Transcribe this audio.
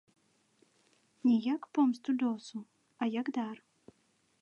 Не як помсту лёсу, а як дар.